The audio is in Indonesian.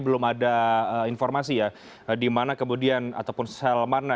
belum ada informasi ya di mana kemudian ataupun sel mana